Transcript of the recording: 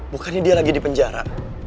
bukannya dia lagi di penjara